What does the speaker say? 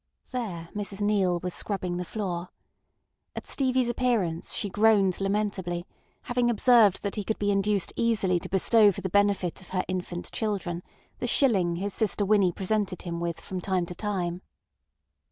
There Mrs Neale was scrubbing the floor. At Stevie's appearance she groaned lamentably, having observed that he could be induced easily to bestow for the benefit of her infant children the shilling his sister Winnie presented him with from time to time.